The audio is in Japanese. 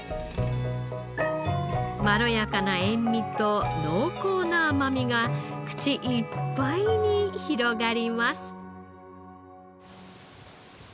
まろやかな塩味と濃厚な甘みが口いっぱいに広がります。